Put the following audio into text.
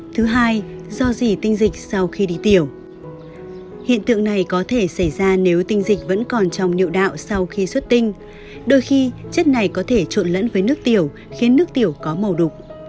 thứ hai do gì tinh dịch sau khi đi tiểu hiện tượng này có thể xảy ra nếu tinh dịch vẫn còn trong niệm đạo sau khi xuất tinh đôi khi chất này có thể trộn lẫn với nước tiểu khiến nước tiểu có màu đục